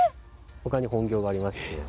他に本業がありまして。